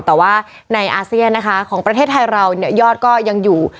แต่ว่าในอาเซียนนะคะของประเทศไทยเราเนี่ยยอดก็ยังอยู่